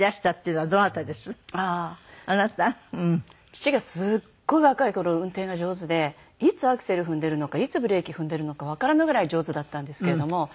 父がすっごい若い頃運転が上手でいつアクセル踏んでるのかいつブレーキ踏んでるのかわからないぐらい上手だったんですけれども。